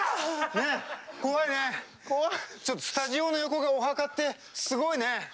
ちょっとスタジオの横がお墓ってすごいね。